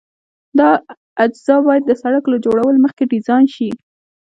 دا اجزا باید د سرک له جوړولو مخکې ډیزاین شي